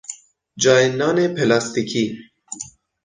جای نان پلاستیکی